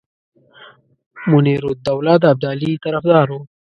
منیرالدوله د ابدالي طرفدار وو.